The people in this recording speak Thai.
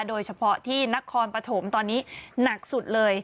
โดยเฉพาะที่นักความประถมตอนนี้หนักสุดเลย